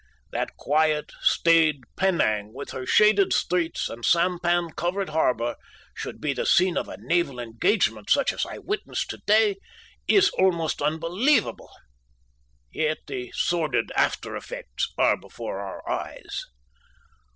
That quiet, staid Penang with her shaded streets and sampan covered harbor should be the scene of a naval engagement such as I witnessed today is almost unbelievable. Yet the sordid aftereffects are before our eyes.